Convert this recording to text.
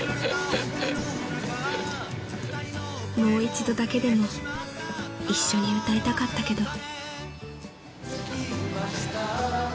［もう一度だけでも一緒に歌いたかったけど］